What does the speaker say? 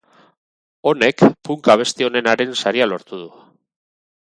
Honek punk abesti onenaren saria lortu du.